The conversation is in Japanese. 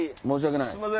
申し訳ない。